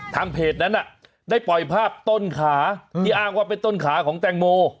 เพจนั้นได้ปล่อยภาพต้นขาที่อ้างว่าเป็นต้นขาของแตงโม